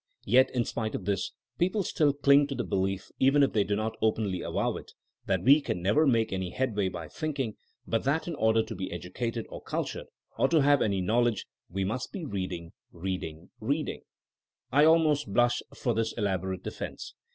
Yet, in spite of this, people still cling to the be lief, even if they do not openly avow it, that we never can make any headway by thinking, but that in order to be educated, or cultured, or to have any knowledge, we must be reading, read ing, reading.^ I almost blush for this elaborate defense.